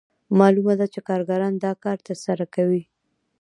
معلومه ده چې کارګران دا کار ترسره کوي